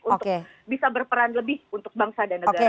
untuk bisa berperan lebih untuk bangsa dan negara